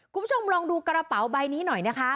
คุณผู้ชมลองดูกระเป๋าใบนี้หน่อยนะคะ